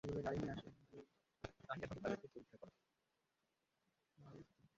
তাই এভাবে তাদেরকে পরীক্ষা করা হয়।